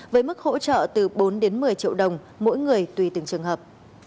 với mức hỗ trợ từ bốn một mươi triệu đồng mỗi người tùy từng ngày